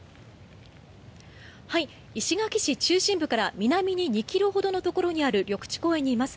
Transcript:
石垣市中心部から南に２ｋｍほどのところにある緑地公園にいます。